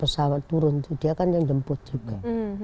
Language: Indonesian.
pesawat turun dia kan yang jemput juga